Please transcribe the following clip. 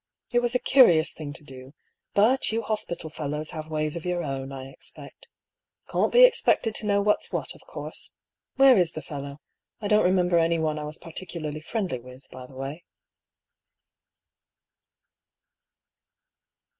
" It was a curious thing to do— but you hospital fellows have ways of your own, I expect. Can't be expected to know what's what, of course. Where is the fellow? I don't remember anyone I was particularly friendly with, by the way."